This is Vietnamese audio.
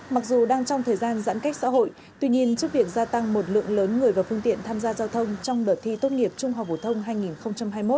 mặc dù đang trong thời gian giãn cách xã hội tuy nhiên trước việc gia tăng một lượng lớn người và phương tiện tham gia giao thông trong đợt thi tốt nghiệp trung học phổ thông hai nghìn hai mươi một